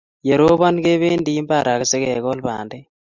Ye ropon kebendi imbar asigekol pandek.